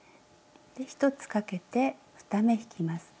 で１つかけて２目引きます。